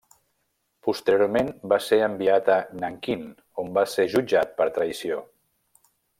Posteriorment va ser enviat a Nanquín, on va ser jutjat per traïció.